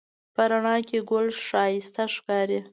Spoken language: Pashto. په رڼا کې ګل ښایسته ښکاري